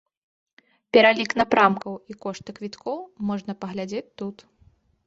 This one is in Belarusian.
Пералік напрамкаў і кошты квіткоў можна паглядзець тут.